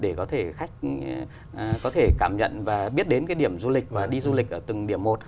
để có thể khách có thể cảm nhận và biết đến cái điểm du lịch và đi du lịch ở từng điểm một